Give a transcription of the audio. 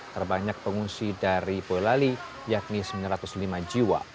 terbanyak pengungsi dari boyolali yakni sembilan ratus lima jiwa